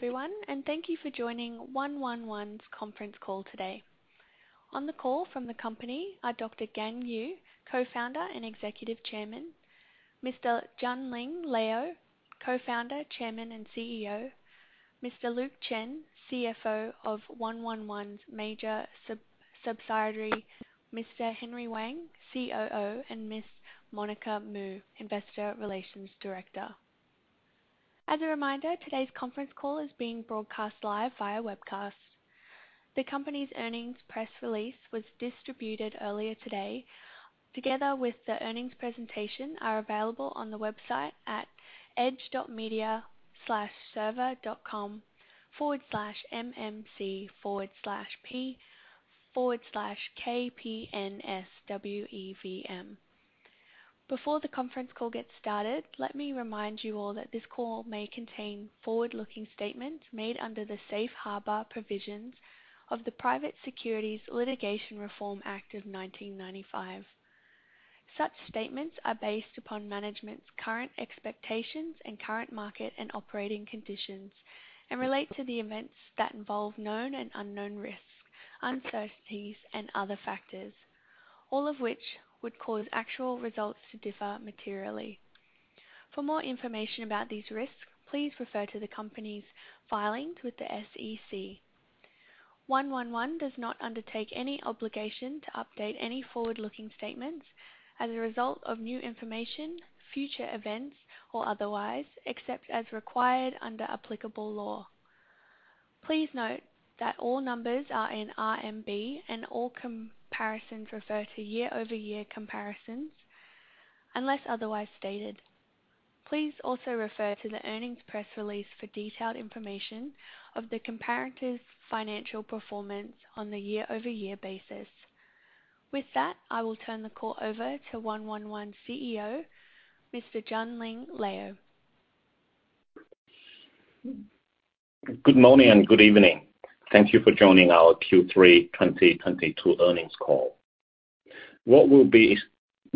Hello, everyone, and thank you for joining 111's conference call today. On the call from the company are Dr. Gang Yu, Co-Founder and Executive Chairman. Mr. Junling Liu, Co-Founder, Chairman, and CEO. Mr. Luke Chen, CFO of 111's major sub-subsidiary. Mr. Haihui Wang, COO, and Ms. Monica Mu, Investor Relations Director. As a reminder, today's conference call is being broadcast live via webcast. The company's earnings press release was distributed earlier today, together with the earnings presentation, are available on the website at edge.media-server.com/mmc/p/kpnswevm. Before the conference call gets started, let me remind you all that this call may contain forward-looking statements made under the Safe Harbor Provisions of the Private Securities Litigation Reform Act of 1995. Such statements are based upon management's current expectations and current market and operating conditions and relate to the events that involve known and unknown risks, uncertainties, and other factors, all of which would cause actual results to differ materially. For more information about these risks, please refer to the company's filings with the SEC. One One One does not undertake any obligation to update any forward-looking statements as a result of new information, future events, or otherwise, except as required under applicable law. Please note that all numbers are in RMB and all comparisons refer to year-over-year comparisons unless otherwise stated. Please also refer to the earnings press release for detailed information of the comparative financial performance on the year-over-year basis. With that, I will turn the call over to One One One CEO, Mr. Junling Liu. Good morning and good evening. Thank you for joining our Q3 2022 earnings call. What we'll be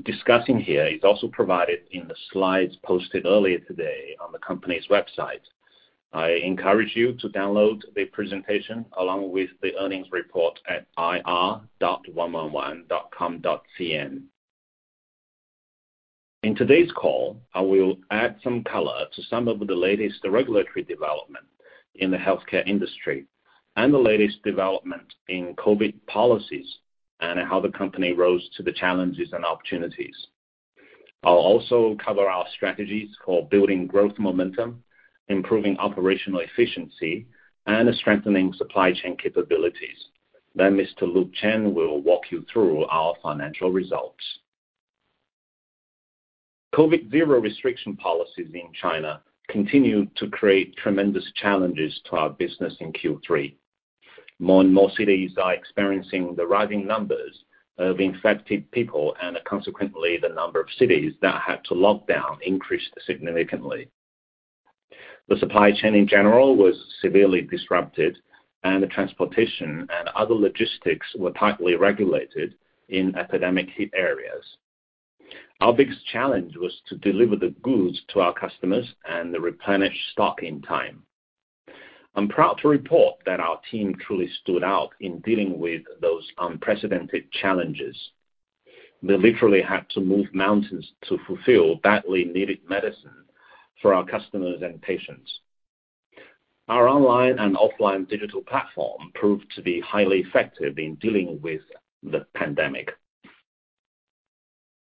discussing here is also provided in the slides posted earlier today on the company's website. I encourage you to download the presentation along with the earnings report at ir.111.com.cn. In today's call, I will add some color to some of the latest regulatory development in the healthcare industry and the latest development in COVID-19 policies and how the company rose to the challenges and opportunities. I'll also cover our strategies for building growth momentum, improving operational efficiency, and strengthening supply chain capabilities. Mr. Luke Chen will walk you through our financial results. zero-COVID restriction policies in China continue to create tremendous challenges to our business in Q3. More and more cities are experiencing the rising numbers of infected people, consequently, the number of cities that had to lock down increased significantly. The supply chain, in general, was severely disrupted and the transportation and other logistics were tightly regulated in epidemic-hit areas. Our biggest challenge was to deliver the goods to our customers and replenish stock in time. I'm proud to report that our team truly stood out in dealing with those unprecedented challenges. They literally had to move mountains to fulfill badly needed medicine for our customers and patients. Our online and offline digital platform proved to be highly effective in dealing with the pandemic.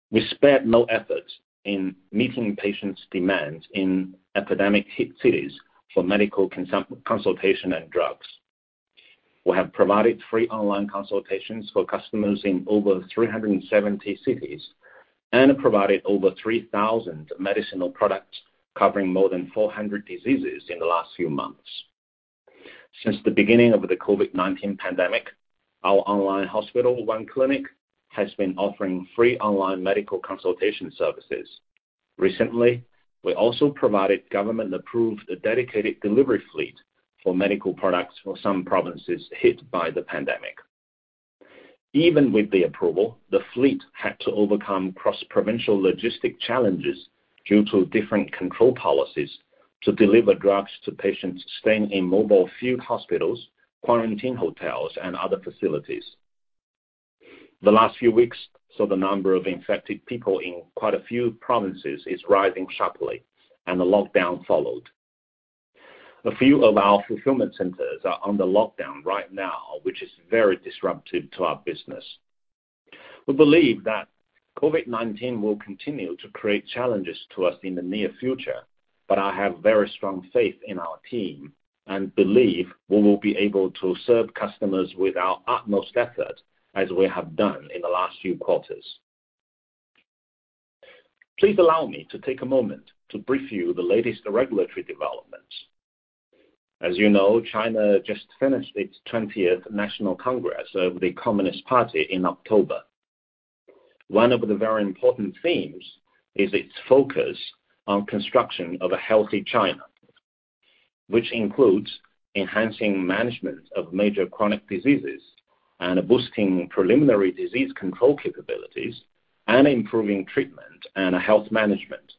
We spared no effort in meeting patients' demands in epidemic-hit cities for medical consultation and drugs. We have provided free online consultations for customers in over 370 cities and provided over 3,000 medicinal products covering more than 400 diseases in the last few months. Since the beginning of the COVID-19 pandemic, our online hospital, 1 Clinic, has been offering free online medical consultation services. Recently, we also provided government-approved dedicated delivery fleet for medical products for some provinces hit by the pandemic. Even with the approval, the fleet had to overcome cross-provincial logistic challenges due to different control policies to deliver drugs to patients staying in mobile field hospitals, quarantine hotels, and other facilities. The last few weeks saw the number of infected people in quite a few provinces is rising sharply, and the lockdown followed. A few of our fulfillment centers are under lockdown right now, which is very disruptive to our business. We believe that COVID-19 will continue to create challenges to us in the near future. I have very strong faith in our team and believe we will be able to serve customers with our utmost effort as we have done in the last few quarters. Please allow me to take a moment to brief you the latest regulatory developments. As you know, China just finished its 20th National Congress of the Communist Party in October. One of the very important themes is its focus on construction of a healthy China, which includes enhancing management of major chronic diseases and boosting preliminary disease control capabilities and improving treatment and health management.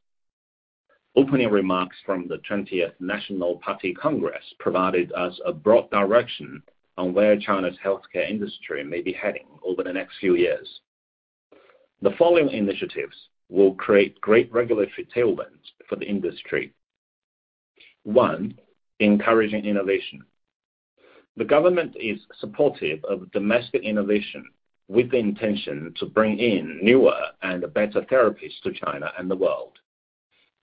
Opening remarks from the 20th National Party Congress provided us a broad direction on where China's healthcare industry may be heading over the next few years. The following initiatives will create great regulatory tailwinds for the industry. One, encouraging innovation. The government is supportive of domestic innovation with the intention to bring in newer and better therapies to China and the world.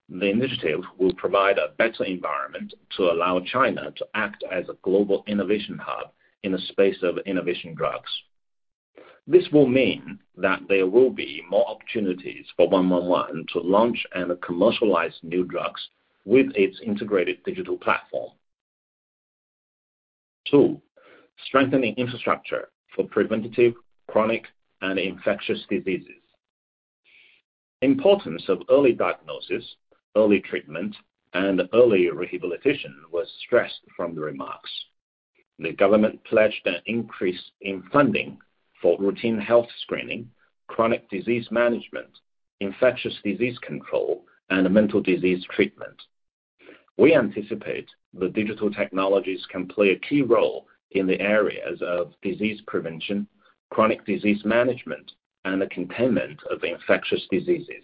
The initiative will provide a better environment to allow China to act as a global innovation hub in the space of innovation drugs. This will mean that there will be more opportunities for 111, Inc. to launch and commercialize new drugs with its integrated digital platform. Two, strengthening infrastructure for preventative, chronic and infectious diseases. Importance of early diagnosis, early treatment, and early rehabilitation was stressed from the remarks. The government pledged an increase in funding for routine health screening, chronic disease management, infectious disease control, and mental disease treatment. We anticipate that digital technologies can play a key role in the areas of disease prevention, chronic disease management, and the containment of infectious diseases.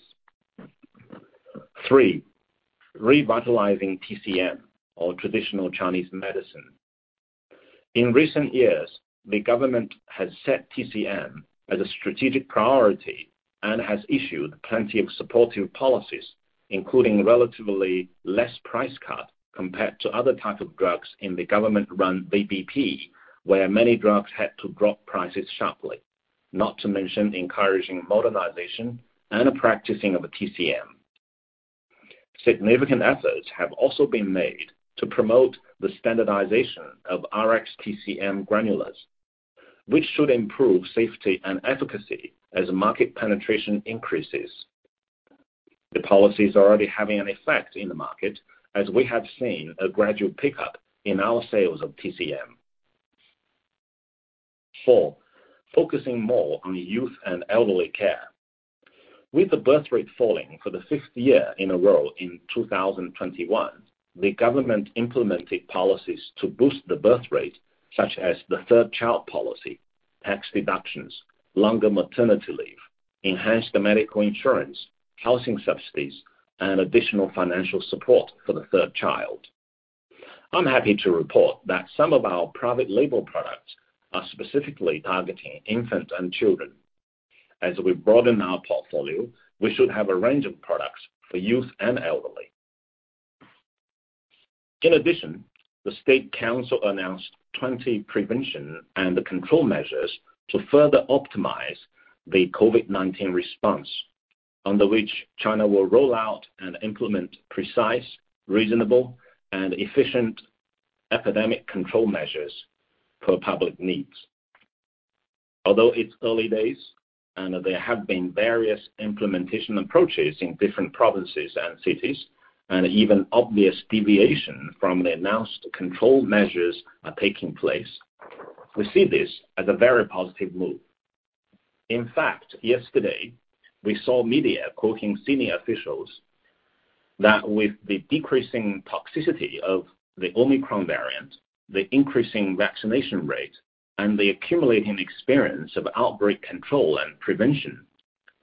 Three, revitalizing TCM or Traditional Chinese Medicine. In recent years, the government has set TCM as a strategic priority and has issued plenty of supportive policies, including relatively less price cut compared to other types of drugs in the government-run VBP, where many drugs had to drop prices sharply, not to mention encouraging modernization and practicing of TCM. Significant efforts have also been made to promote the standardization of RX TCM granules, which should improve safety and efficacy as market penetration increases. The policy is already having an effect in the market as we have seen a gradual pickup in our sales of TCM. Four, focusing more on youth and elderly care. With the birth rate falling for the fifth year in a row in 2021, the government implemented policies to boost the birth rate, such as the three-child policy, tax deductions, longer maternity leave, enhanced medical insurance, housing subsidies, and additional financial support for the third child. I'm happy to report that some of our private label products are specifically targeting infants and children. As we broaden our portfolio, we should have a range of products for youth and elderly. In addition, the State Council announced 20 prevention and control measures to further optimize the COVID-19 response, under which China will roll out and implement precise, reasonable, and efficient epidemic control measures per public needs. Although it's early days and there have been various implementation approaches in different provinces and cities, and even obvious deviation from the announced control measures are taking place, we see this as a very positive move. In fact, yesterday, we saw media quoting senior officials that with the decreasing toxicity of the Omicron variant, the increasing vaccination rate, and the accumulating experience of outbreak control and prevention,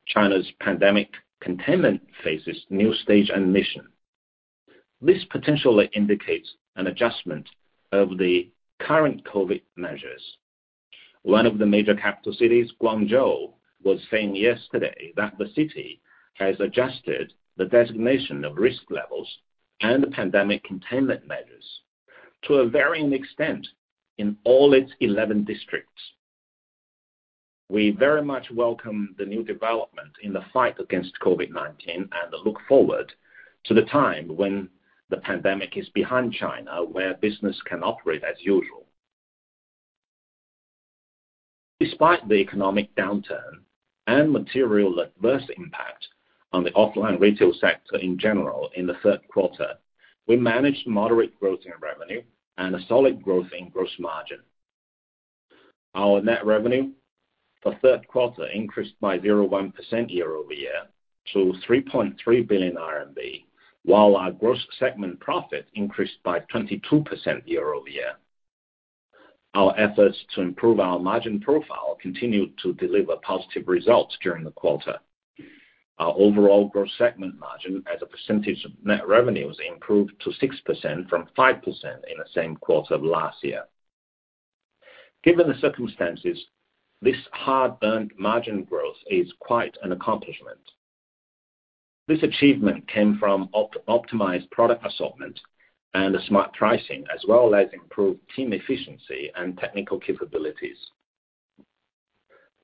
China's pandemic containment faces new stage and mission. This potentially indicates an adjustment of the current COVID measures. One of the major capital cities, Guangzhou, was saying yesterday that the city has adjusted the designation of risk levels and the pandemic containment measures to a varying extent in all its 11 districts. We very much welcome the new development in the fight against COVID-19 and look forward to the time when the pandemic is behind China, where business can operate as usual. Despite the economic downturn and material adverse impact on the offline retail sector in general in the third quarter, we managed moderate growth in revenue and a solid growth in gross margin. Our net revenue for third quarter increased by 0.1% year-over-year to 3.3 billion RMB, while our gross segment profit increased by 22% year-over-year. Our efforts to improve our margin profile continued to deliver positive results during the quarter. Our overall gross segment margin as a percentage of net revenues improved to 6% from 5% in the same quarter of last year. Given the circumstances, this hard-earned margin growth is quite an accomplishment. This achievement came from optimized product assortment and smart pricing, as well as improved team efficiency and technical capabilities.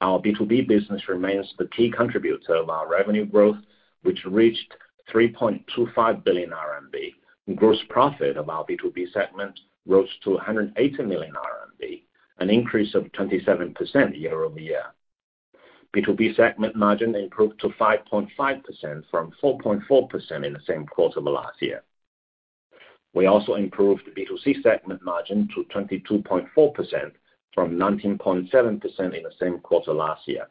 Our B2B business remains the key contributor of our revenue growth, which reached 3.25 billion RMB. Gross profit of our B2B segment rose to 180 million RMB, an increase of 27% year-over-year. B2B segment margin improved to 5.5% from 4.4% in the same quarter of last year. We also improved B2C segment margin to 22.4% from 19.7% in the same quarter last year.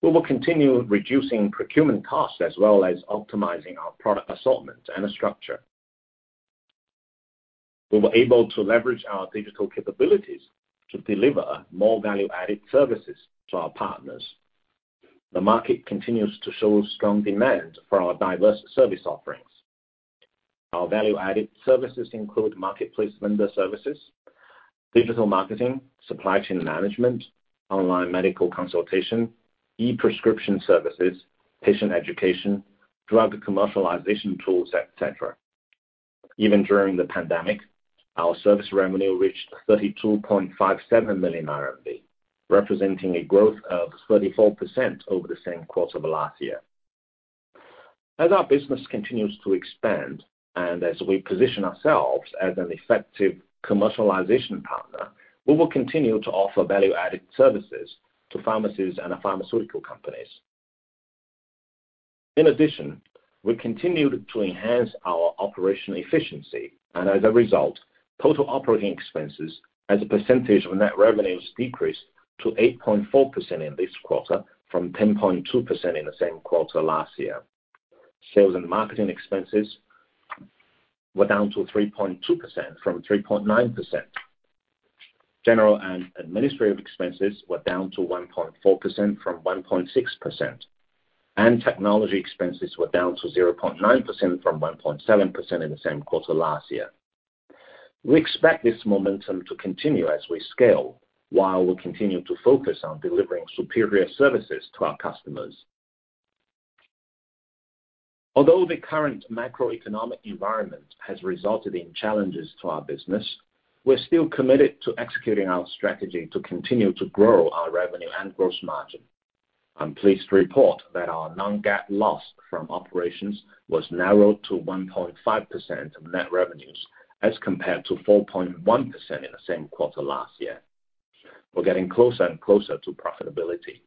We will continue reducing procurement costs as well as optimizing our product assortment and structure. We were able to leverage our digital capabilities to deliver more value-added services to our partners. The market continues to show strong demand for our diverse service offerings. Our value-added services include marketplace vendor services, digital marketing, supply chain management, online medical consultation, e-prescription services, patient education, drug commercialization tools, etc. Even during the pandemic, our service revenue reached 32.57 million RMB, representing a growth of 34% over the same quarter of last year. As our business continues to expand, as we position ourselves as an effective commercialization partner, we will continue to offer value-added services to pharmacies and pharmaceutical companies. In addition, we continued to enhance our operational efficiency, as a result, total operating expenses as a percentage of net revenues decreased to 8.4% in this quarter from 10.2% in the same quarter last year. Sales and marketing expenses were down to 3.2% from 3.9%. General and administrative expenses were down to 1.4% from 1.6%. Technology expenses were down to 0.9% from 1.7% in the same quarter last year. We expect this momentum to continue as we scale, while we continue to focus on delivering superior services to our customers. Although the current macroeconomic environment has resulted in challenges to our business, we're still committed to executing our strategy to continue to grow our revenue and gross margin. I'm pleased to report that our non-GAAP loss from operations was narrowed to 1.5% of net revenues, as compared to 4.1% in the same quarter last year. We're getting closer and closer to profitability.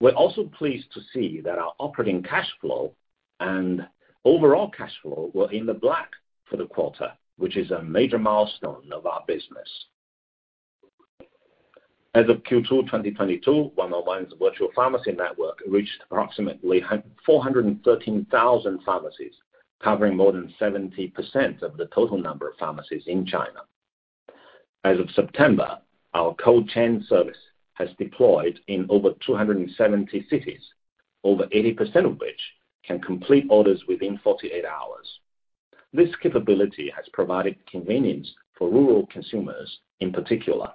We're also pleased to see that our operating cash flow and overall cash flow were in the black for the quarter, which is a major milestone of our business. As of Q2 2022, 111's virtual pharmacy network reached approximately 413,000 pharmacies, covering more than 70% of the total number of pharmacies in China. As of September, our cold chain service has deployed in over 270 cities, over 80% of which can complete orders within 48 hours. This capability has provided convenience for rural consumers in particular.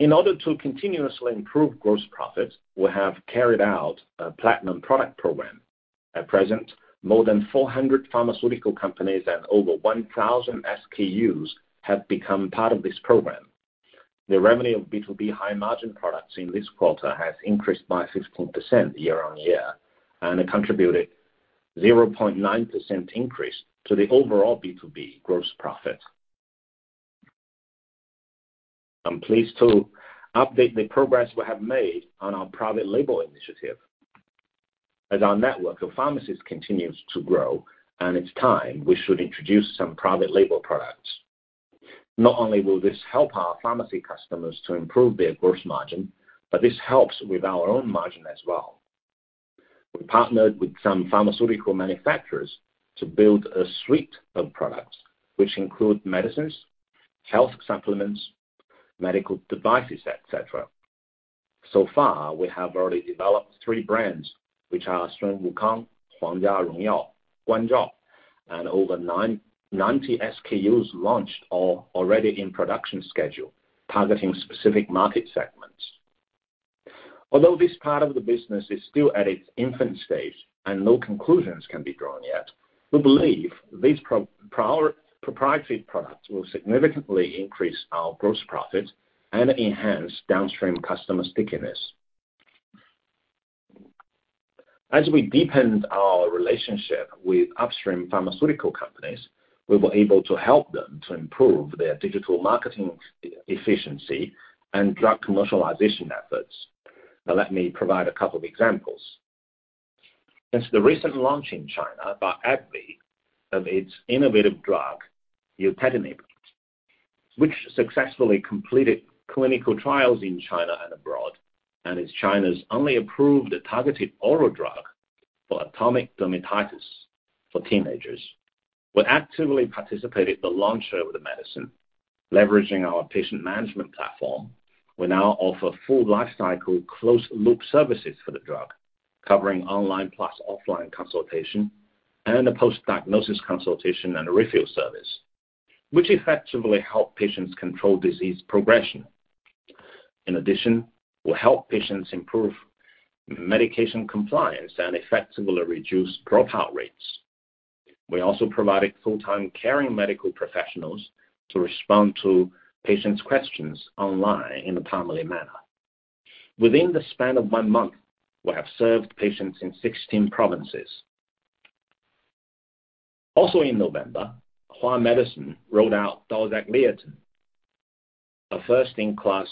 In order to continuously improve gross profit, we have carried out a platinum product program. At present, more than 400 pharmaceutical companies and over 1,000 SKUs have become part of this program. The revenue of B2B high margin products in this quarter has increased by 16% year-on-year, and it contributed 0.9% increase to the overall B2B gross profit. I'm pleased to update the progress we have made on our private label initiative. As our network of pharmacies continues to grow and it's time we should introduce some private label products. Not only will this help our pharmacy customers to improve their gross margin, but this helps with our own margin as well. We partnered with some pharmaceutical manufacturers to build a suite of products, which include medicines, health supplements, medical devices, etc. We have already developed three brands, which are Shengwu Kang, Huangjia Rongyao, Guanzhao, and over 990 SKUs launched or already in production schedule, targeting specific market segments. This part of the business is still at its infant stage and no conclusions can be drawn yet, we believe these proprietary products will significantly increase our gross profit and enhance downstream customer stickiness. We depend our relationship with upstream pharmaceutical companies, we were able to help them to improve their digital marketing efficiency and drug commercialization efforts. Let me provide a couple of examples. Since the recent launch in China by AbbVie of its innovative drug upadacitinib, which successfully completed clinical trials in China and abroad, and is China's only approved targeted oral drug for atopic dermatitis for teenagers, we actively participated the launch of the medicine, leveraging our patient management platform. We now offer full lifecycle closed loop services for the drug, covering online plus offline consultation and a post-diagnosis consultation and refill service, which effectively help patients control disease progression. In addition, will help patients improve medication compliance and effectively reduce dropout rates. We also provided full-time caring medical professionals to respond to patients' questions online in a timely manner. Within the span of one month, we have served patients in 16 provinces. In November, Hua Medicine rolled out Dorzagliatin, a first-in-class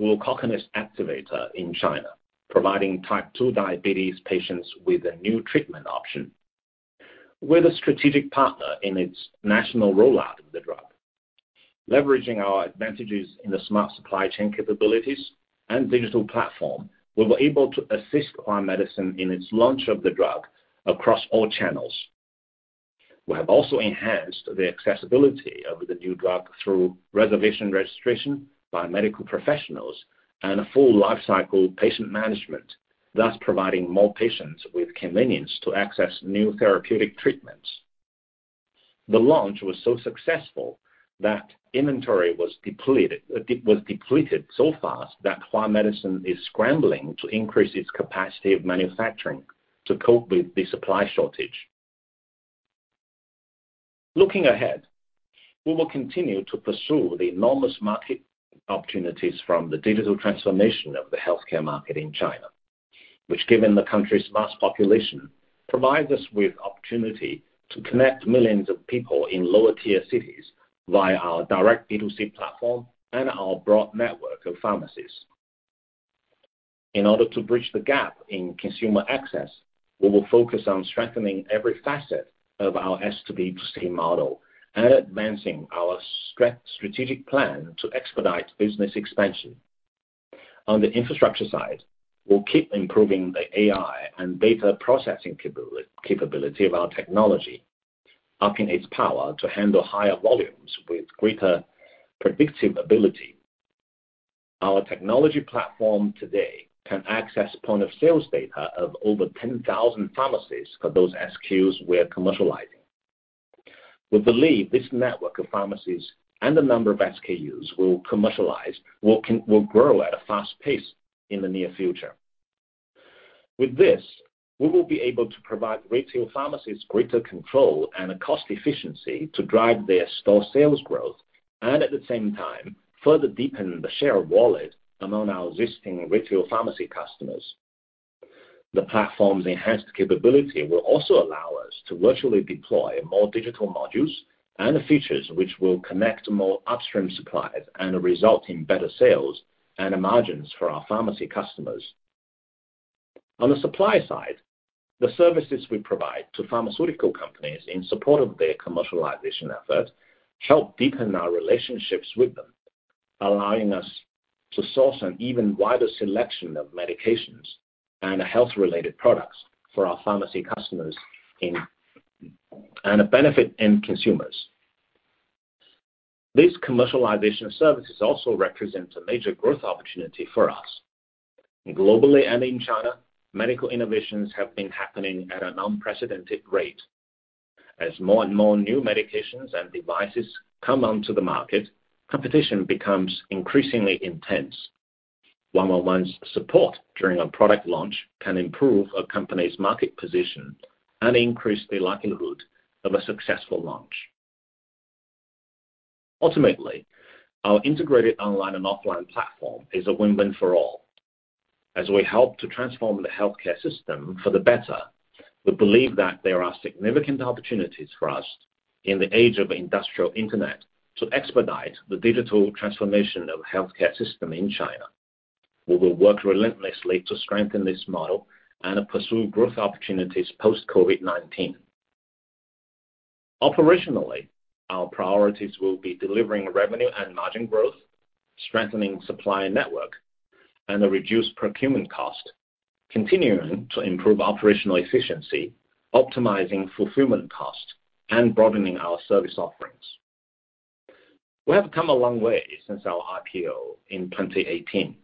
glucokinase activator in China, providing type 2 diabetes patients with a new treatment option. We're the strategic partner in its national rollout of the drug. Leveraging our advantages in the smart supply chain capabilities and digital platform, we were able to assist Hua Medicine in its launch of the drug across all channels. We have also enhanced the accessibility of the new drug through reservation registration by medical professionals and a full lifecycle patient management, thus providing more patients with convenience to access new therapeutic treatments. The launch was so successful that inventory was depleted so fast that Hua Medicine is scrambling to increase its capacity of manufacturing to cope with the supply shortage. Looking ahead, we will continue to pursue the enormous market opportunities from the digital transformation of the healthcare market in China, which, given the country's vast population, provides us with opportunity to connect millions of people in lower-tier cities via our direct B2B platform and our broad network of pharmacies. In order to bridge the gap in consumer access, we will focus on strengthening every facet of our S2B2C model and advancing our strategic plan to expedite business expansion. On the infrastructure side, we'll keep improving the AI and data processing capability of our technology, upping its power to handle higher volumes with greater predictive ability. Our technology platform today can access point-of-sales data of over 10,000 pharmacies for those SKUs we're commercializing. We believe this network of pharmacies and the number of SKUs will commercialize, will grow at a fast pace in the near future. With this, we will be able to provide retail pharmacies greater control and cost efficiency to drive their store sales growth and at the same time, further deepen the share of wallet among our existing retail pharmacy customers. The platform's enhanced capability will also allow us to virtually deploy more digital modules and features which will connect more upstream suppliers and result in better sales and margins for our pharmacy customers. On the supply side, the services we provide to pharmaceutical companies in support of their commercialization efforts help deepen our relationships with them, allowing us to source an even wider selection of medications and health-related products for our pharmacy customers and benefit end consumers. These commercialization services also represent a major growth opportunity for us. Globally and in China, medical innovations have been happening at an unprecedented rate. As more and more new medications and devices come onto the market, competition becomes increasingly intense. 111's support during a product launch can improve a company's market position and increase the likelihood of a successful launch. Ultimately, our integrated online and offline platform is a win-win for all. As we help to transform the healthcare system for the better, we believe that there are significant opportunities for us in the age of industrial internet to expedite the digital transformation of healthcare system in China. We will work relentlessly to strengthen this model and pursue growth opportunities post COVID-19. Operationally, our priorities will be delivering revenue and margin growth, strengthening supply network, and a reduced procurement cost, continuing to improve operational efficiency, optimizing fulfillment cost, and broadening our service offerings. We have come a long way since our IPO in 2018.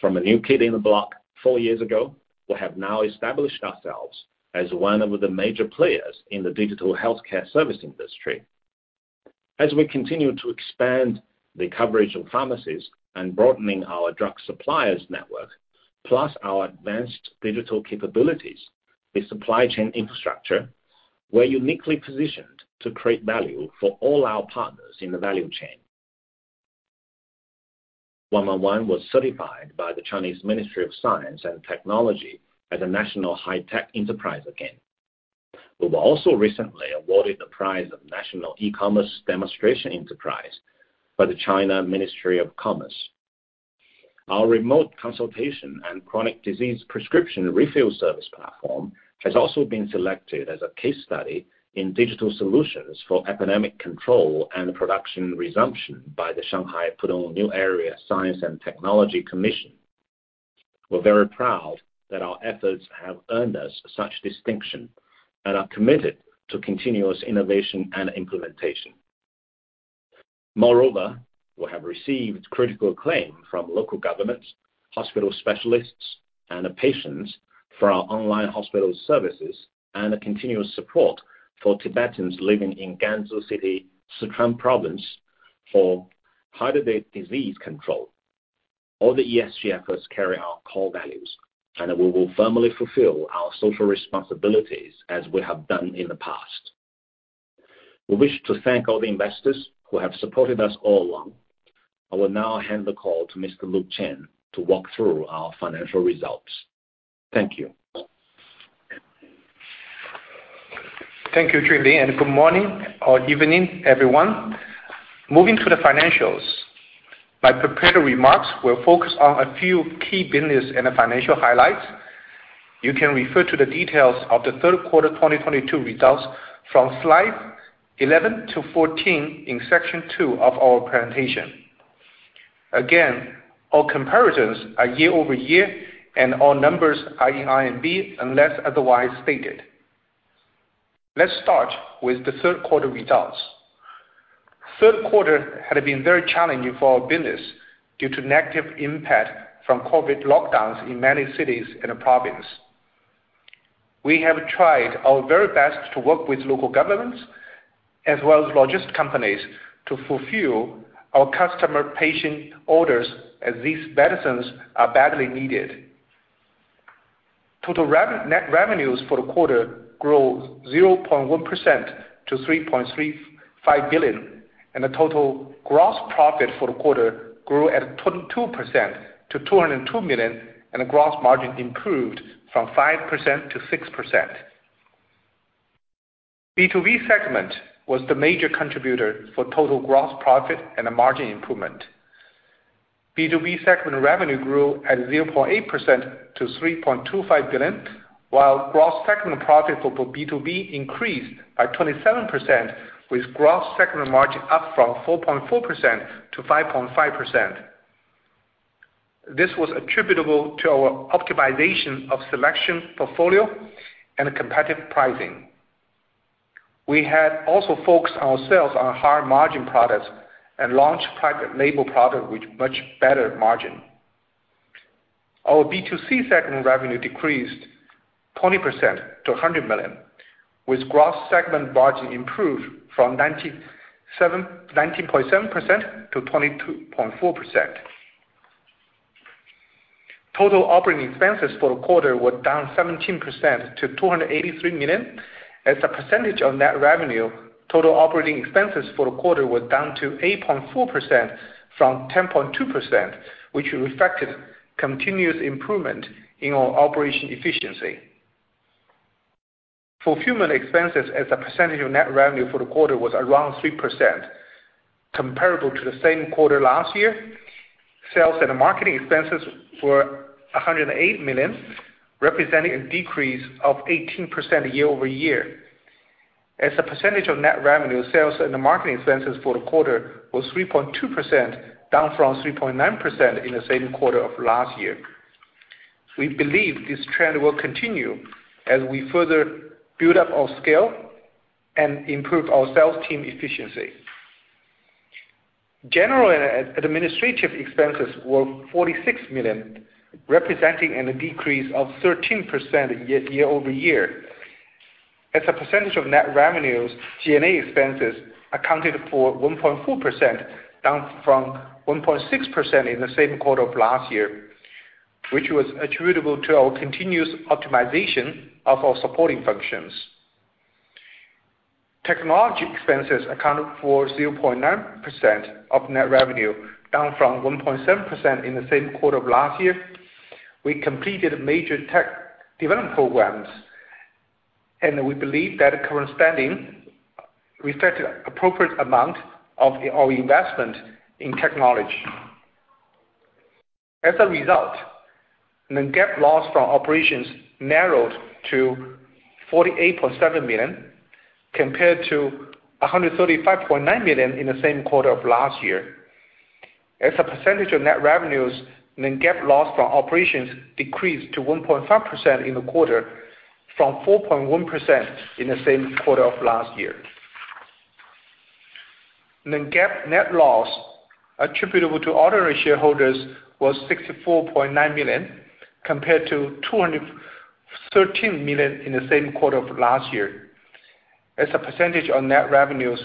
From a new kid in the block four years ago, we have now established ourselves as one of the major players in the digital healthcare service industry. As we continue to expand the coverage of pharmacies and broadening our drug suppliers network, plus our advanced digital capabilities, the supply chain infrastructure, we're uniquely positioned to create value for all our partners in the value chain. 111, Inc. was certified by the Chinese Ministry of Science and Technology as a national high-tech enterprise again. We were also recently awarded the prize of National E-commerce Demonstration Enterprise by the China Ministry of Commerce. Our remote consultation and chronic disease prescription refill service platform has also been selected as a case study in digital solutions for epidemic control and production resumption by the Shanghai Pudong New Area Science and Technology Commission. We're very proud that our efforts have earned us such distinction and are committed to continuous innovation and implementation. Moreover, we have received critical acclaim from local governments, hospital specialists, and patients for our online hospital services and a continuous support for Tibetans living in Ganzhou City, Sichuan Province, for heart disease control. All the ESG efforts carry our core values, and we will firmly fulfill our social responsibilities as we have done in the past. We wish to thank all the investors who have supported us all along. I will now hand the call to Mr. Luke Chen to walk through our financial results. Thank you. Thank you, Junling. Good morning or evening, everyone. Moving to the financials. My prepared remarks will focus on a few key business and financial highlights. You can refer to the details of the third quarter 2022 results from slide 11 to 14 in section two of our presentation. All comparisons are year-over-year and all numbers are in RMB unless otherwise stated. Let's start with the third quarter results. Third quarter had been very challenging for our business due to negative impact from COVID lockdowns in many cities in the province. We have tried our very best to work with local governments as well as logistic companies to fulfill our customer patient orders as these medicines are badly needed. Total net revenues for the quarter grew 0.1% to 3.35 billion. The total gross profit for the quarter grew at 22% to 202 million. The gross margin improved from 5% to 6%. B2B segment was the major contributor for total gross profit and a margin improvement. B2B segment revenue grew at 0.8% to 3.25 billion, while gross segment profit for B2B increased by 27%, with gross segment margin up from 4.4% to 5.5%. This was attributable to our optimization of selection portfolio and competitive pricing. We had also focused ourselves on higher margin products and launched private label product with much better margin. Our B2C segment revenue decreased 20% to $100 million, with gross segment margin improved from 19.7% to 22.4%. Total operating expenses for the quarter were down 17% to $283 million. As a percentage of net revenue, total operating expenses for the quarter were down to 8.4% from 10.2%, which reflected continuous improvement in our operation efficiency. Fulfillment expenses as a percentage of net revenue for the quarter was around 3%, comparable to the same quarter last year. Sales and marketing expenses were $108 million, representing a decrease of 18% year-over-year. As a percentage of net revenue, sales and marketing expenses for the quarter was 3.2%, down from 3.9% in the same quarter of last year. We believe this trend will continue as we further build up our scale and improve our sales team efficiency. General and administrative expenses were $46 million, representing a decrease of 13% year-over-year. As a percentage of net revenues, G&A expenses accounted for 1.4%, down from 1.6% in the same quarter of last year, which was attributable to our continuous optimization of our supporting functions. Technology expenses accounted for 0.9% of net revenue, down from 1.7% in the same quarter of last year. We completed major tech development programs, we believe that current standing reflect appropriate amount of our investment in technology. As a result, the GAAP loss from operations narrowed to $48.7 million, compared to $135.9 million in the same quarter of last year. As a percentage of net revenues, the GAAP loss from operations decreased to 1.5% in the quarter from 4.1% in the same quarter of last year. The GAAP net loss attributable to ordinary shareholders was $64.9 million, compared to $213 million in the same quarter of last year. As a percentage of net revenues,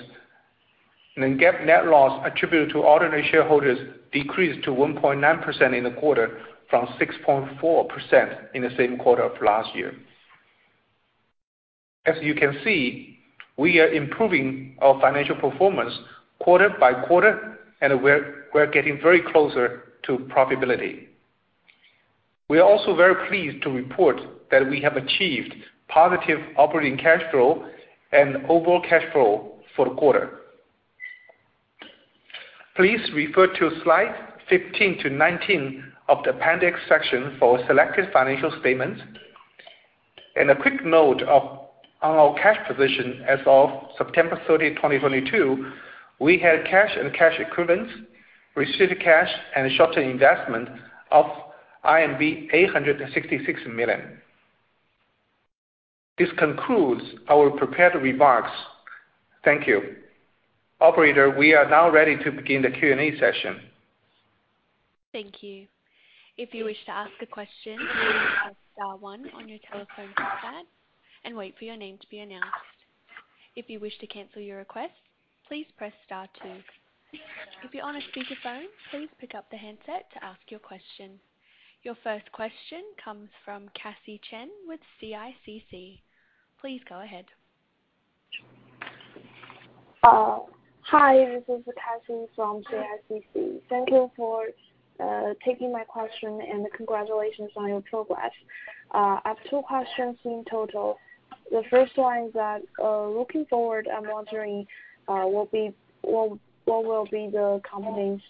the GAAP net loss attributable to ordinary shareholders decreased to 1.9% in the quarter from 6.4% in the same quarter of last year. As you can see, we are improving our financial performance quarter by quarter and we're getting very closer to profitability. We are also very pleased to report that we have achieved positive operating cash flow and overall cash flow for the quarter. Please refer to slide 15 to 19 of the appendix section for selected financial statements. In a quick note on our cash position as of September 30th, 2022, we had cash and cash equivalents, received cash and shorter investment of 866 million. This concludes our prepared remarks. Thank you. Operator, we are now ready to begin the Q&A session. Thank you. If you wish to ask a question, please press star one on your telephone keypad and wait for your name to be announced. If you wish to cancel your request. Please press star two. If you're on a speakerphone, please pick up the handset to ask your question. Your first question comes from Cathy Chen with CICC. Please go ahead. Hi, this is Cathy from CICC. Thank you for taking my question, and congratulations on your progress. I have two questions in total. The first is that looking forward, I'm wondering what will be the company's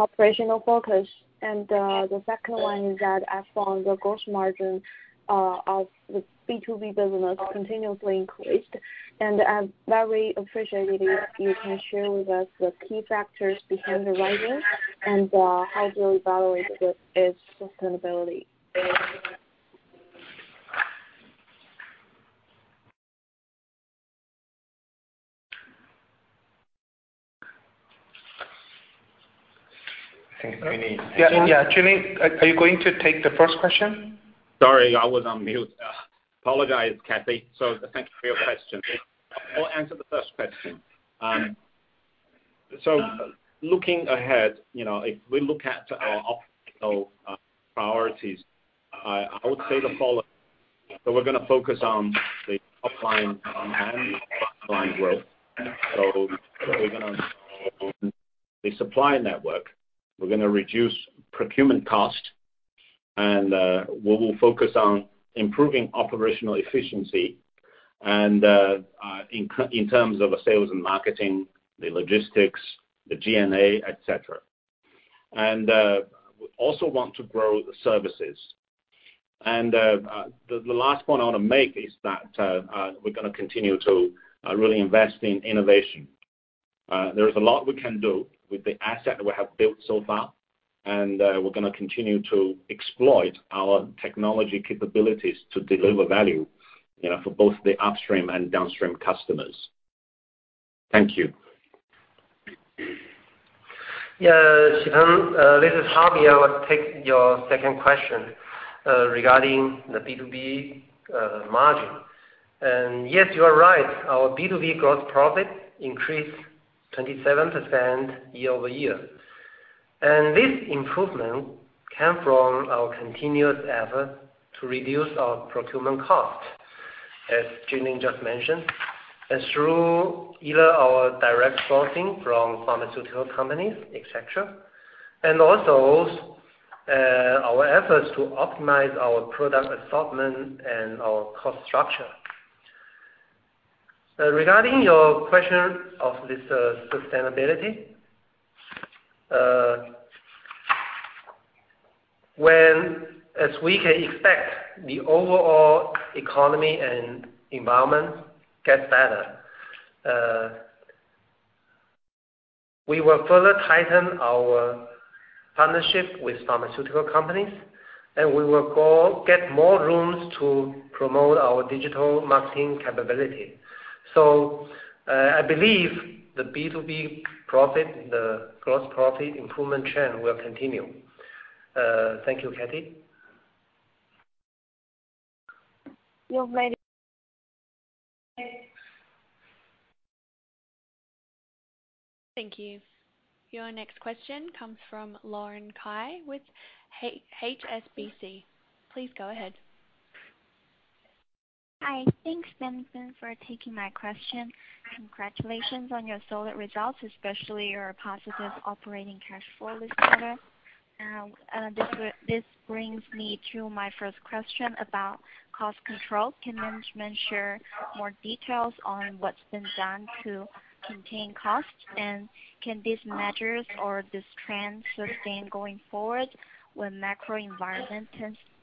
operational focus. The second one is that as from the gross margin of the B2B business continuously increased, and I'd very appreciate it if you can share with us the key factors behind the rising and how you evaluate its sustainability. I think we need- Yeah, yeah. Junling, are you going to take the first question? Sorry, I was on mute. Apologize, Cathy. Thank you for your question. I'll answer the first question. Looking ahead, you know, if we look at our operational, priorities, I would say the following. We're gonna focus on the top line and the bottom line growth. We're gonna the supply network. We're gonna reduce procurement cost, and, we will focus on improving operational efficiency and, in terms of the sales and marketing, the logistics, the GMA, et cetera. We also want to grow the services. The, the last point I wanna make is that, we're gonna continue to, really invest in innovation. There is a lot we can do with the asset we have built so far, and we're gonna continue to exploit our technology capabilities to deliver value, you know, for both the upstream and downstream customers. Thank you. Yeah. Cathy, this is Haihui. I will take your second question regarding the B2B margin. Yes, you are right. Our B2B gross profit increased 27% year-over-year. This improvement came from our continuous effort to reduce our procurement cost, as Junling just mentioned. Through either our direct sourcing from pharmaceutical companies, et cetera, and also, our efforts to optimize our product assortment and our cost structure. Regarding your question of this sustainability, as we can expect the overall economy and environment get better, we will further tighten our partnership with pharmaceutical companies, and we will go get more rooms to promote our digital marketing capability. I believe the B2B profit, the gross profit improvement trend will continue. Thank you, Cathy. You're very- Thank you. Your next question comes from Lauren Cai with HSBC. Please go ahead. Hi. Thanks, management for taking my question. Congratulations on your solid results, especially your positive operating cash flow this quarter. This brings me to my first question about cost control. Can management share more details on what's been done to contain costs, and can these measures or this trend sustain going forward when macro environment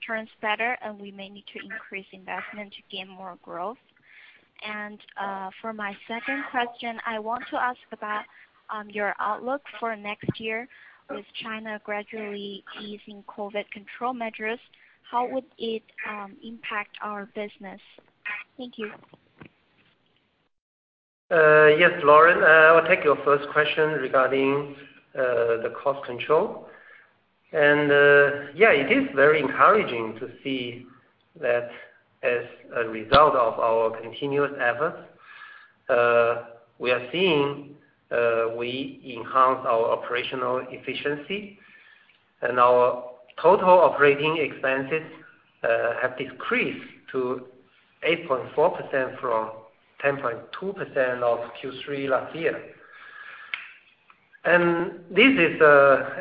turns better and we may need to increase investment to gain more growth? For my second question, I want to ask about your outlook for next year. With China gradually easing COVID control measures, how would it impact our business? Thank you. Yes, Lauren. I'll take your first question regarding the cost control. Yeah, it is very encouraging to see that as a result of our continuous efforts, we are seeing we enhance our operational efficiency and our total operating expenses have decreased to 8.4% from 10.2% of Q3 last year. This is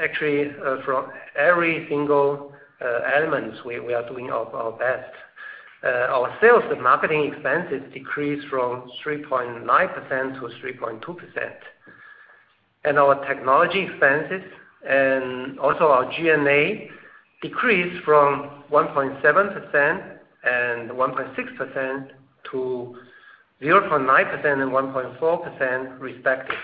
actually from every single elements we are doing our best. Our sales and marketing expenses decreased from 3.9% to 3.2%. Our technology expenses and also our GMA decreased from 1.7% and 1.6% to 0.9% and 1.4% respectively.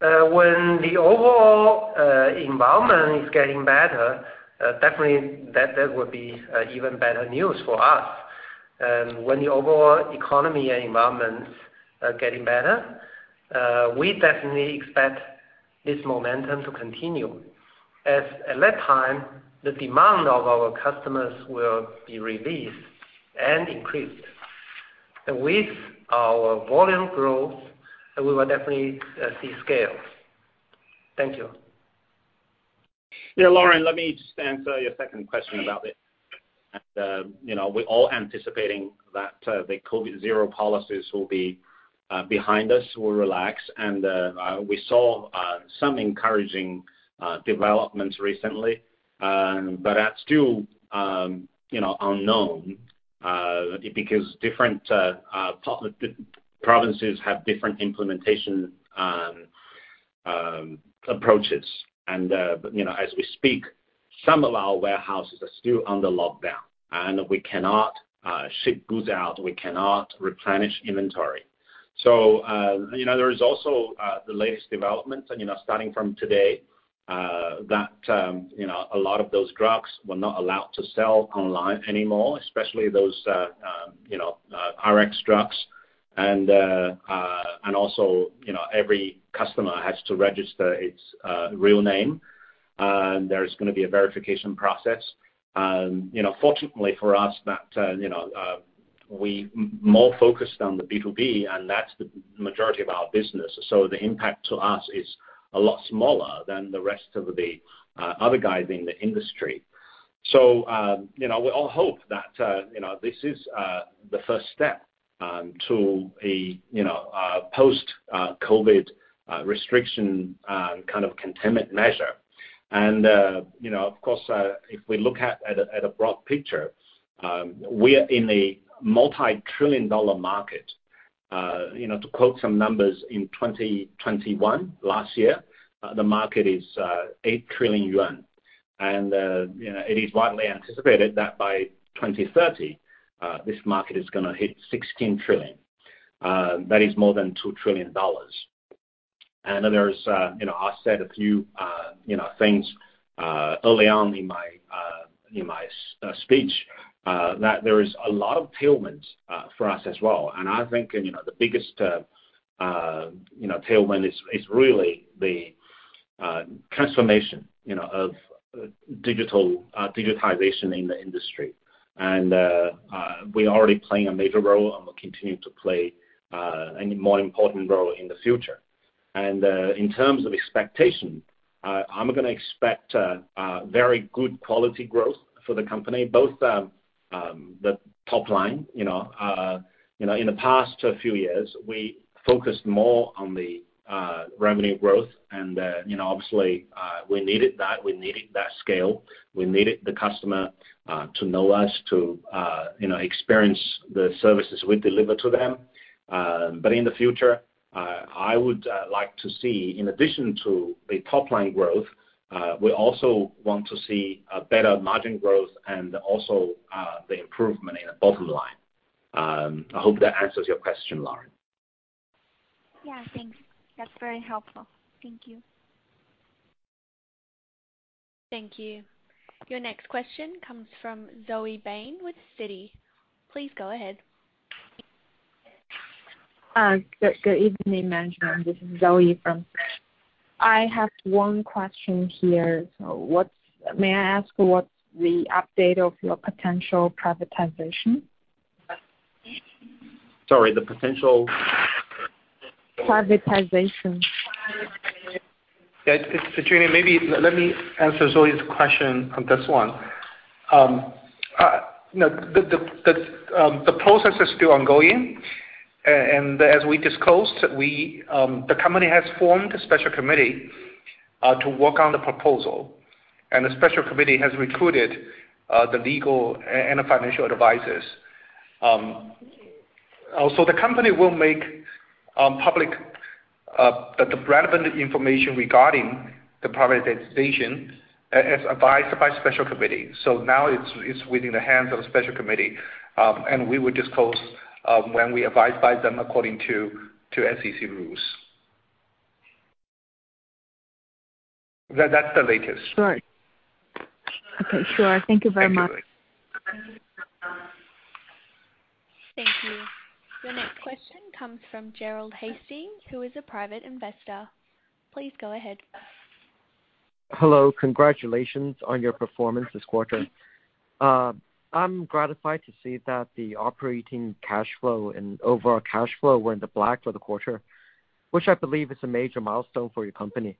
When the overall environment is getting better, definitely that would be even better news for us. When the overall economy and environments are getting better, we definitely expect This momentum to continue. As at that time, the demand of our customers will be released and increased. With our volume growth, we will definitely see scale. Thank you. Yeah, Lauren, let me just answer your second question about it. You know, we're all anticipating that the COVID zero policies will be behind us or relax. We saw some encouraging developments recently. That's still, you know, unknown because different provinces have different implementation approaches. You know, as we speak, some of our warehouses are still under lockdown, and we cannot ship goods out, we cannot replenish inventory. You know, there is also, you know, the latest developments and, you know, starting from today, that, you know, a lot of those drugs were not allowed to sell online anymore, especially those, you know, RX drugs. Also, you know, every customer has to register its real name, and there is gonna be a verification process. You know, fortunately for us that, you know, we more focused on the B2B, and that's the majority of our business. The impact to us is a lot smaller than the rest of the other guys in the industry. You know, we all hope that, you know, this is the first step to a, you know, post COVID restriction kind of containment measure. You know, of course, if we look at a broad picture, we are in a multitrillion-dollar market. You know, to quote some numbers in 2021, last year, the market is 8 trillion yuan. You know, it is widely anticipated that by 2030, this market is gonna hit $16 trillion. That is more than $2 trillion. There's, you know, I said a few, you know, things early on in my speech that there is a lot of tailwinds for us as well. I think, you know, the biggest, you know, tailwind is really the transformation, you know, of digital digitization in the industry. We are already playing a major role, and we'll continue to play an more important role in the future. In terms of expectation, I'm gonna expect very good quality growth for the company, both, the top line, you know. You know, in the past few years, we focused more on the revenue growth and, you know, obviously, we needed that. We needed that scale. We needed the customer to know us, to, you know, experience the services we deliver to them. In the future, I would like to see, in addition to a top-line growth, we also want to see a better margin growth and also the improvement in the bottom line. I hope that answers your question, Laura. Yeah, thanks. That's very helpful. Thank you. Thank you. Your next question comes from Zoe Bian with Citi. Please go ahead. Good evening, management. This is Zoe from... I have one question here. May I ask what's the update of your potential privatization? Sorry, the potential? Privatization. Yeah. It's Junling. Maybe let me answer Zoe's question on this one. No, the process is still ongoing. As we disclosed, we the company has formed a special committee to work on the proposal, and the special committee has recruited the legal and financial advisors. The company will make public the relevant information regarding the privatization as advised by special committee. Now it's within the hands of the special committee, and we will disclose when we advised by them according to SEC rules. That's the latest. Right. Okay. Sure. Thank you very much. Thank you. Thank you. Your next question comes from Gerald Hasting, who is a Private Investor. Please go ahead. Hello. Congratulations on your performance this quarter. I'm gratified to see that the operating cash flow and overall cash flow were in the black for the quarter, which I believe is a major milestone for your company.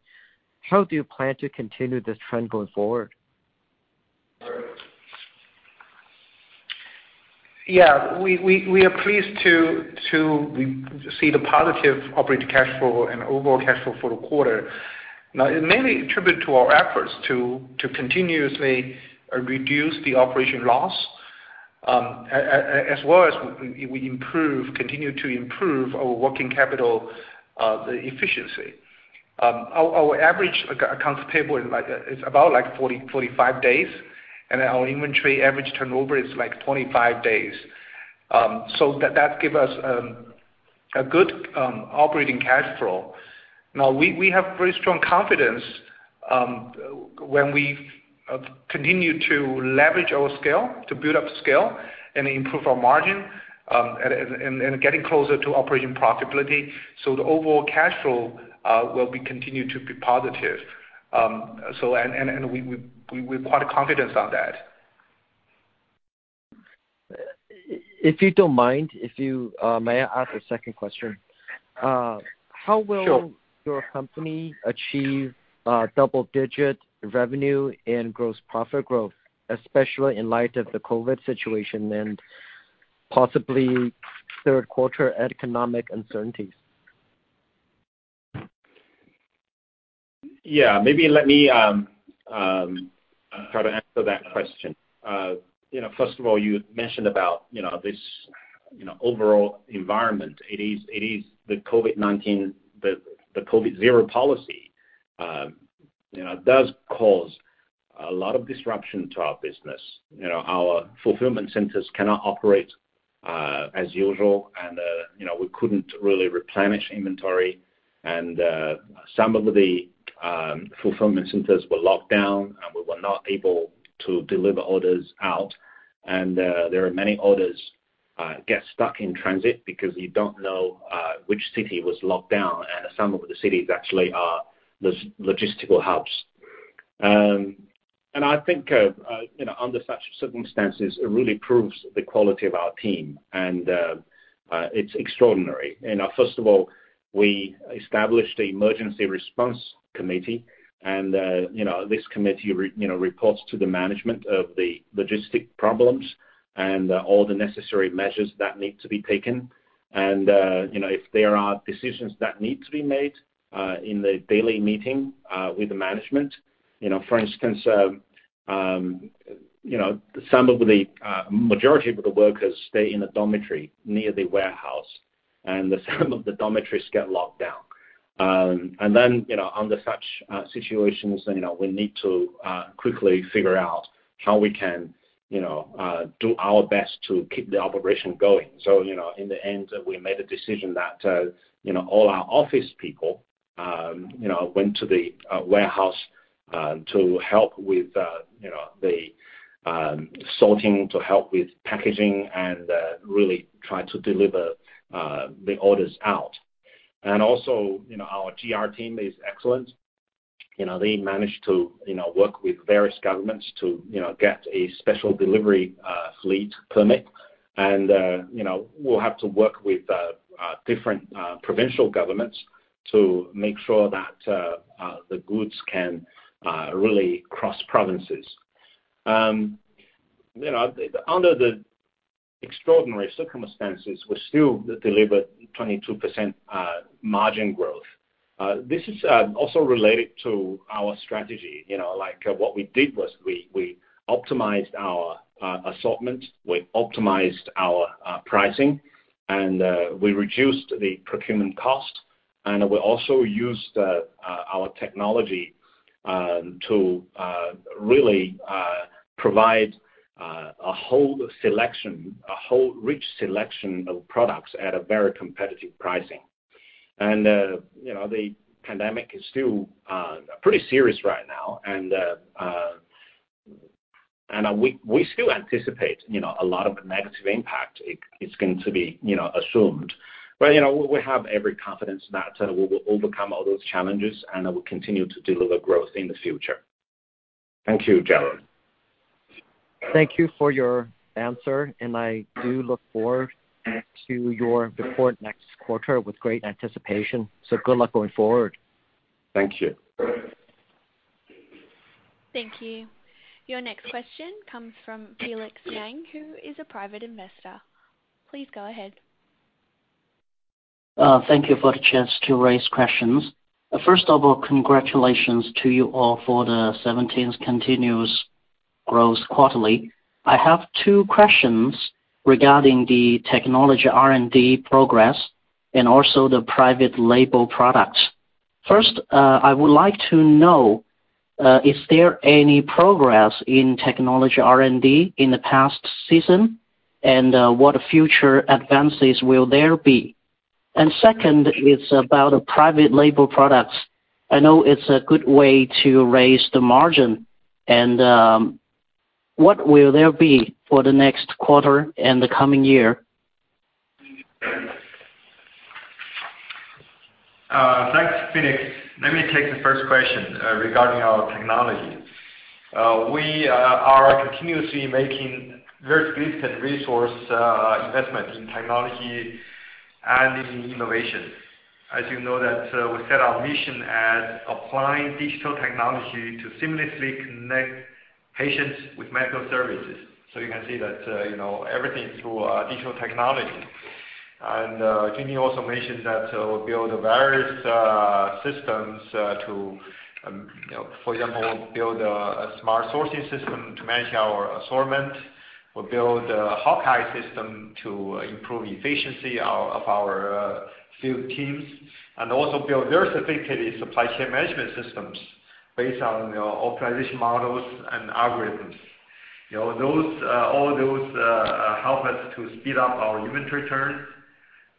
How do you plan to continue this trend going forward? Yeah. We are pleased to see the positive operating cash flow and overall cash flow for the quarter. It mainly attributed to our efforts to continuously reduce the operation loss, as well as we improve, continue to improve our working capital, the efficiency. Our average accounts payable is about like 40-45 days, and our inventory average turnover is like 25 days. That give us a good operating cash flow. We have very strong confidence. When we've continued to leverage our scale, to build up scale and improve our margin, and getting closer to operating profitability, so the overall cash flow will be continued to be positive. And we're quite confident on that. If you don't mind, if you, may I ask a second question? How. Sure. -your company achieve, double-digit revenue and gross profit growth, especially in light of the COVID-19 situation and possibly third quarter economic uncertainties? Yeah. Maybe let me try to answer that question. You know, first of all, you mentioned about, you know, this, you know, overall environment. It is, it is the COVID-19... the COVID zero policy, you know, does cause a lot of disruption to our business. You know, our fulfillment centers cannot operate as usual and, you know, we couldn't really replenish inventory and some of the fulfillment centers were locked down, and we were not able to deliver orders out. There are many orders get stuck in transit because you don't know which city was locked down, and some of the cities actually are logistical hubs. I think, you know, under such circumstances, it really proves the quality of our team, and it's extraordinary. You know, first of all, we established the emergency response committee and, you know, this committee, you know, reports to the management of the logistic problems and all the necessary measures that need to be taken. You know, if there are decisions that need to be made in the daily meeting with the management. You know, for instance, you know, some of the majority of the workers stay in a dormitory near the warehouse, and the some of the dormitories get locked down. You know, under such situations, you know, we need to quickly figure out how we can, you know, do our best to keep the operation going. You know, in the end, we made a decision that, you know, all our office people, you know, went to the warehouse to help with, you know, the sorting, to help with packaging and really try to deliver the orders out. Also, you know, our GR team is excellent. You know, they managed to, you know, work with various governments to, you know, get a special delivery fleet permit. You know, we'll have to work with different provincial governments to make sure that the goods can really cross provinces. You know, under the extraordinary circumstances, we still delivered 22% margin growth. This is also related to our strategy. You know, like what we did was we optimized our assortment, we optimized our pricing, and we reduced the procurement cost, and we also used our technology to really provide a whole selection, a whole rich selection of products at a very competitive pricing. You know, the pandemic is still pretty serious right now. We still anticipate, you know, a lot of negative impact is going to be, you know, assumed. You know, we have every confidence that we will overcome all those challenges and that we'll continue to deliver growth in the future. Thank you, Gerald. Thank you for your answer. I do look forward to your report next quarter with great anticipation. Good luck going forward. Thank you. Thank you. Your next question comes from Felix Yang, who is a private investor. Please go ahead. Thank you for the chance to raise questions. First of all, congratulations to you all for the 17th continuous gross quarterly. I have two questions regarding the technology R&D progress and also the private label products. First, I would like to know, is there any progress in technology R&D in the past season, and what future advances will there be? Second is about private label products. I know it's a good way to raise the margin and what will there be for the next quarter and the coming year? Thanks, Felix. Let me take the first question regarding our technology. We are continuously making very significant resource investment in technology and in innovation. As you know that we set our mission as applying digital technology to seamlessly connect patients with medical services. You can see that, you know, everything through digital technology. Jimmy also mentioned that we build various systems to, you know, for example, build a smart sourcing system to manage our assortment. We build a Hawkeye system to improve efficiency of our field teams, and also build very sophisticated supply chain management systems based on, you know, optimization models and algorithms. You know, all those help us to speed up our inventory turn.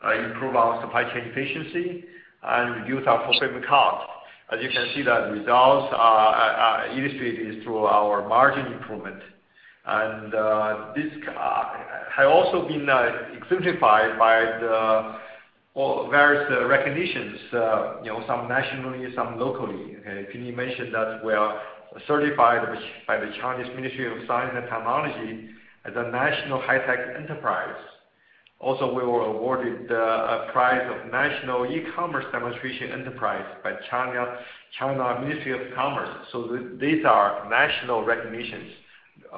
Improve our supply chain efficiency and reduce our fulfillment cost. As you can see, that results are illustrated through our margin improvement. This has also been exemplified by the, well, various recognitions, you know, some nationally, some locally. Okay, Jenny mentioned that we are certified by the Chinese Ministry of Science and Technology as a National High-Tech Enterprise. We were awarded the prize of National E-commerce Demonstration Enterprise by China Ministry of Commerce. These are national recognitions,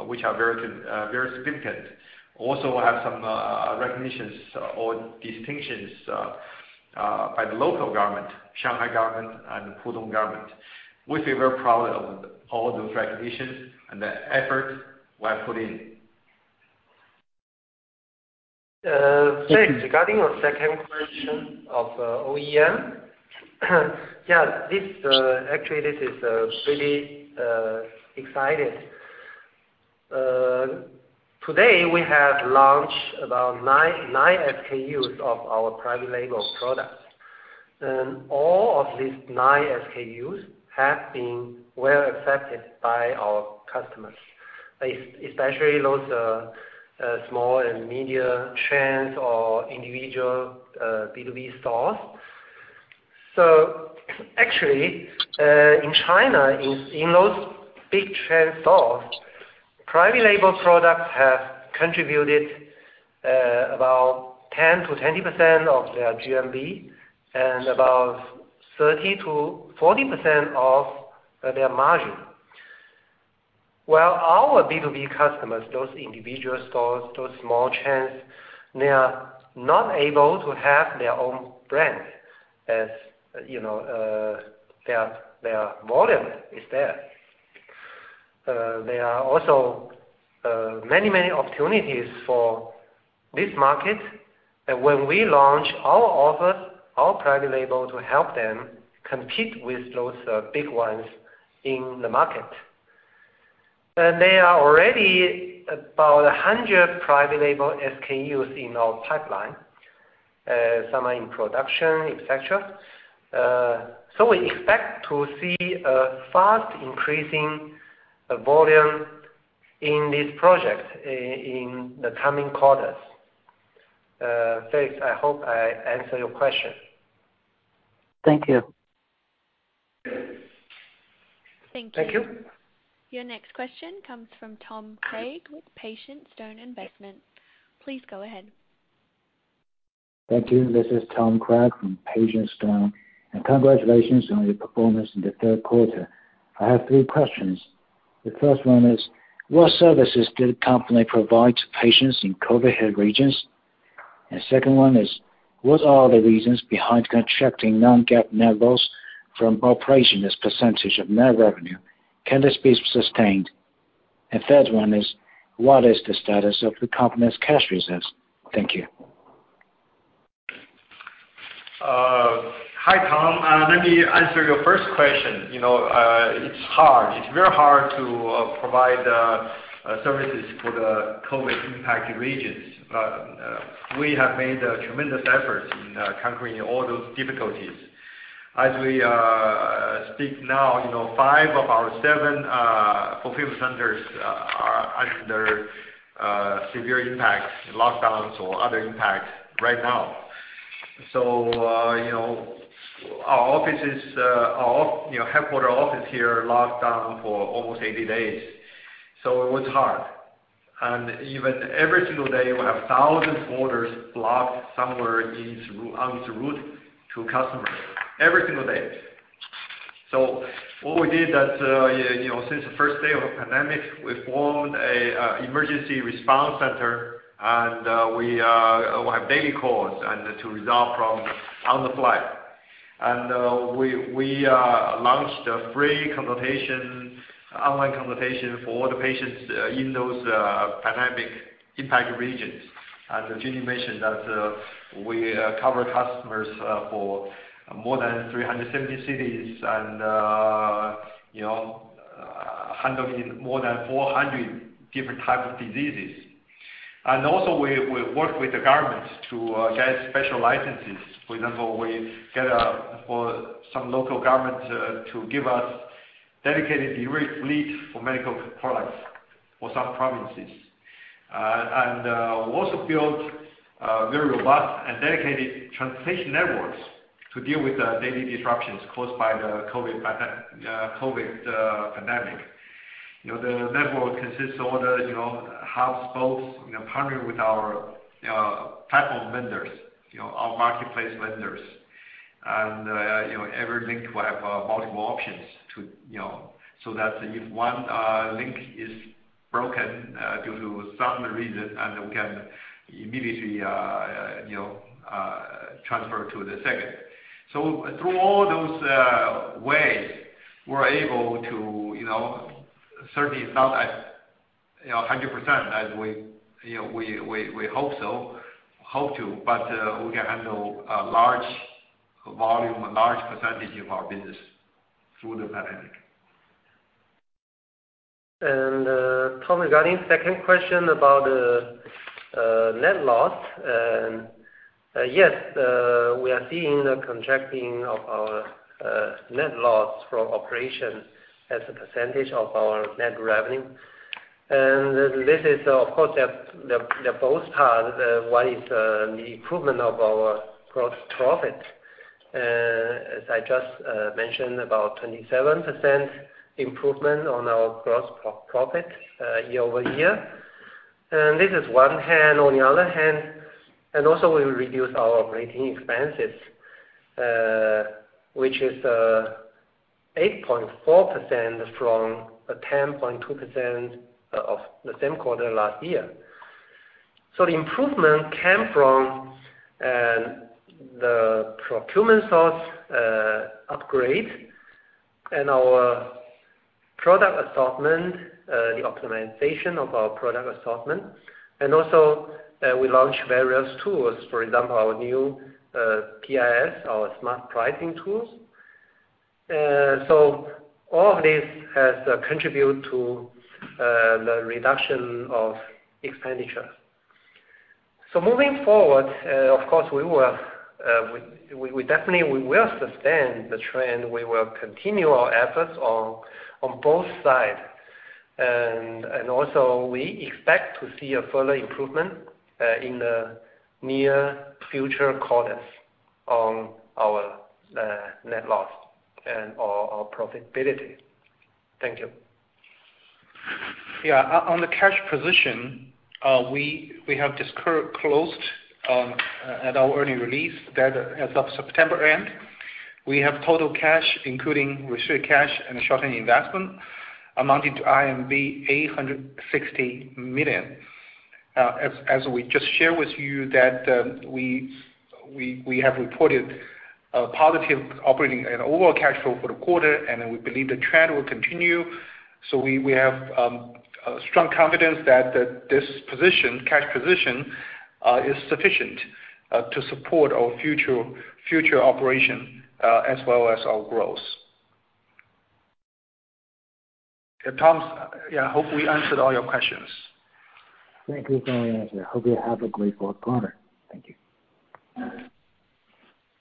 which are very significant. We have some recognitions or distinctions by the local government, Shanghai government and Pudong government. We feel very proud of all those recognitions and the effort we have put in. Thanks. Regarding your second question of OEM. Yes, this actually, this is really exciting. Today, we have launched about 9 SKUs of our private label products. All of these 9 SKUs have been well accepted by our customers, especially those small and medium chains or individual B2B stores. Actually, in China, in those big chain stores, private label products have contributed about 10%-20% of their GMV and about 30%-40% of their margin. Well, our B2B customers, those individual stores, those small chains, they are not able to have their own brand, as you know, their volume is there. There are also many, many opportunities for this market that when we launch our offer, our private label to help them compete with those big ones in the market. There are already about 100 private label SKUs in our pipeline, some are in production, et cetera. We expect to see a fast increasing volume in this project in the coming quarters. Felix, I hope I answered your question. Thank you. Thank you. Thank you. Your next question comes from Tom Craig with PatientStone Investments. Please go ahead. Thank you. This is Tom Craig from PatientStone. Congratulations on your performance in the third quarter. I have three questions. The first one is, what services did the company provide to patients in COVID-hit regions? Second one is, what are the reasons behind contracting non-GAAP net goals from operation as % of net revenue? Can this be sustained? Third one is, what is the status of the company's cash reserves? Thank you. Hi, Tom. Let me answer your first question. You know, it's hard. It's very hard to provide services for the COVID impacted regions. We have made a tremendous effort in conquering all those difficulties. As we speak now, you know, five of our seven fulfillment centers are under severe impact, lockdowns or other impact right now. You know, our offices, headquarter office here locked down for almost 80 days, it was hard. Even every single day, we have 1,000 orders blocked somewhere in through, en route to customers. Every single day. What we did that, you know, since the first day of the pandemic, we formed a emergency response center, we have daily calls to resolve from on the fly. We, we launched a free consultation, online consultation for the patients in those pandemic impacted regions. Jenny mentioned that we cover customers for more than 370 cities and, you know, handling more than 400 different type of diseases. We, we work with the government to get special licenses. For example, we get for some local government to give us dedicated delivery fleet for medical products for some provinces. We also built a very robust and dedicated transportation networks to deal with the daily disruptions caused by the COVID pandemic. You know, the network consists of all the, you know, hubs, spokes, you know, partnering with our platform vendors. You know, our marketplace vendors. You know, every link will have multiple options to, you know, so that if one link is broken due to some reason and we can immediately, you know, transfer to the second. Through all those ways, we're able to, you know, certainly it's not at, you know, 100% as we, you know, we, we hope so, hope to, but we can handle a large volume, a large percentage of our business through the pandemic. Tom, regarding second question about the net loss. Yes, we are seeing a contracting of our net loss from operations as a percentage of our net revenue. This is, of course, the both part. One is the improvement of our gross profit. As I just mentioned, about 27% improvement on our gross profit year-over-year. This is one hand. On the other hand. Also we reduced our operating expenses, which is 8.4% from 10.2% of the same quarter last year. The improvement came from the procurement source upgrade and our product assortment, the optimization of our product assortment, and also, we launched various tools. For example, our new PIS, our smart pricing tools. All of this has contribute to the reduction of expenditure. Moving forward, of course, we will sustain the trend. We will continue our efforts on both sides. We expect to see a further improvement in the near future quarters on our net loss and our profitability. Thank you. Yeah. On the cash position, we have just closed at our earnings release that as of September end, we have total cash, including restricted cash and short-term investment, amounting to 860 million. As we just shared with you that, we have reported a positive operating and overall cash flow for the quarter, and we believe the trend will continue. We have strong confidence that this position, cash position, is sufficient to support our future operation, as well as our growth. Tom, yeah, I hope we answered all your questions. Thank you for the answer. I hope you have a great fourth quarter. Thank you.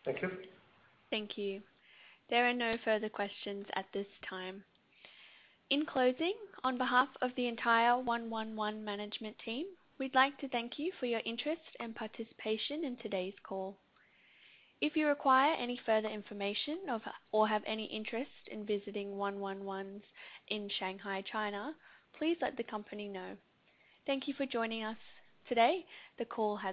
Thank you. Thank you. There are no further questions at this time. In closing, on behalf of the entire 111 management team, we'd like to thank you for your interest and participation in today's call. If you require any further information or have any interest in visiting 111 in Shanghai, China, please let the company know. Thank you for joining us today. The call has concluded.